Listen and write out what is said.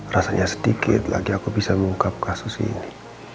rasanya sedikit lagi aku bisa mengungkap kasus ini